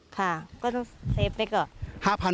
ค่ะก็ต้องเซฟไปก่อน